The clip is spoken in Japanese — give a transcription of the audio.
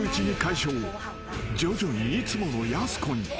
［徐々にいつものやす子に］